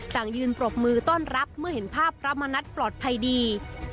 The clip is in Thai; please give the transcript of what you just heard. ต่างยืนปรบมือต้อนรับเมื่อเห็นภาพพระมณัฐปลอดภัยดี